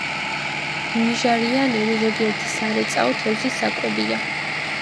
ნიჟარიანები ზოგიერთი სარეწაო თევზის საკვებია.